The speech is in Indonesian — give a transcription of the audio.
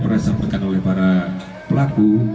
pernah disampaikan oleh para pelaku